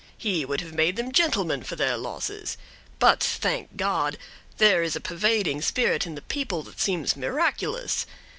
He would have made them gentlemen for their losses. But, thank God! there is a pervading spirit in the people that seems miraculous.